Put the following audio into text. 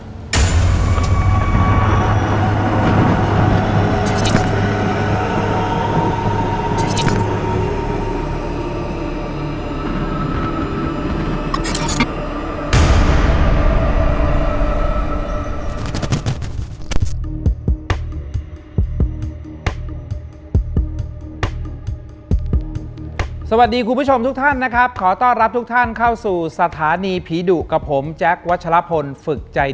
อเจมส์สวัสดีคุณผู้ชมทุกท่านนะครับขอต้อนรับทุกท่านเข้าสู่สถานีผีดุกับผมแจ็ควัชละพลฝึกใจเกมส์